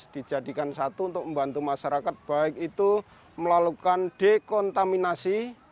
dijadikan satu untuk membantu masyarakat baik itu melalukan dekontaminasi